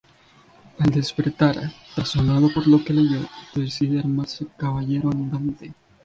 Al despertar, trastornado por lo que leyó, decide armarse caballero andante.